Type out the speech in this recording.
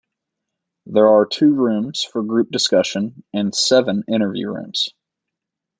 There are two rooms for group discussion, and seven interview rooms.